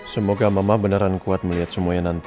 semoga mama beneran kuat melihat semuanya nanti